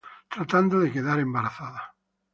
Tratando de quedar embarazada